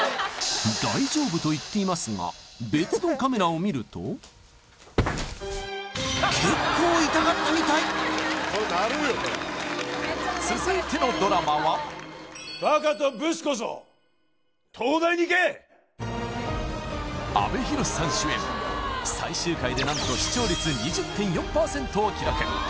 大丈夫と言っていますが別のカメラを見ると結構痛かったみたい続いてのドラマはバカとブスこそ東大にいけ阿部寛さん主演最終回で何と視聴率２０．４％を記録